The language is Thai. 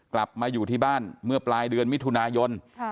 กลับมาอยู่ที่บ้านเมื่อปลายเดือนมิถุนายน